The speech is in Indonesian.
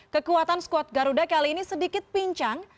kekuatan skuad garuda kali ini sedikit pincang